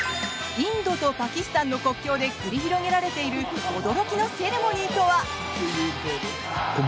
インドとパキスタンの国境で繰り広げられている驚きのセレモニーとは？